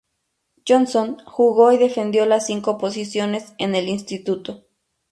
Johnson jugó y defendió las cinco posiciones en el instituto.